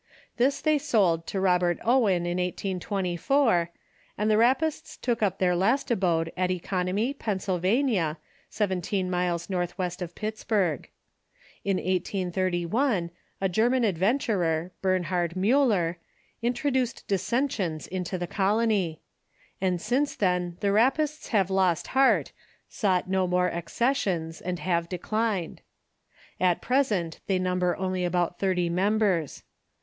This they sold to Robert Owen in 1824, and the Rappists took up their last abode at Economy, Pennsylvania, seventeen miles northwest of Pittsburg. In 1831 a German adventurer, Bernhard Miiller, introduced dissensions into the colony ; and since then the Rappists have lost heart, sought no 582 THE CHURCH IN THE UNITED STATES more accessions, and have declined. At present they number only about thirty members.